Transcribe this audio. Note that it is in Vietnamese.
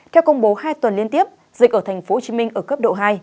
theo công bố hai tuần liên tiếp dịch ở tp hcm ở cấp độ hai